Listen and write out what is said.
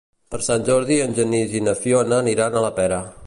Per Sant Jordi en Genís i na Fiona aniran a la Pera.